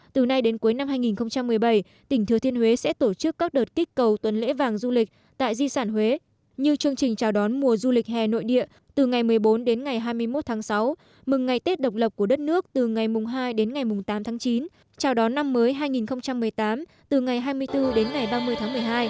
từ nay đến cuối năm hai nghìn một mươi bảy tỉnh thừa thiên huế sẽ tổ chức các đợt kích cầu tuần lễ vàng du lịch tại di sản huế như chương trình chào đón mùa du lịch hè nội địa từ ngày một mươi bốn đến ngày hai mươi một tháng sáu mừng ngày tết độc lập của đất nước từ ngày hai đến ngày tám tháng chín chào đón năm mới hai nghìn một mươi tám từ ngày hai mươi bốn đến ngày ba mươi tháng một mươi hai